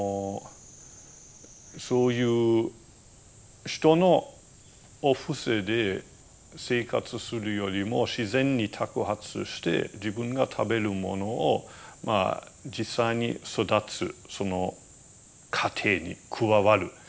そういう人のお布施で生活するよりも自然に托鉢して自分が食べるものを実際に育つその過程に加わる。